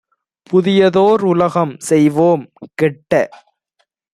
புதியதோர் உலகம் செய்வோம் - கெட்ட